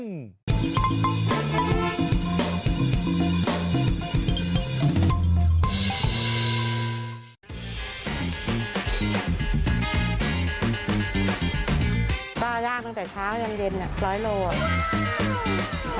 รีบบอกว่าเครื่องการแจงร้อนได้ตลากตั้งแต่เช้าหรือยังเด็นนี่ร้อยโล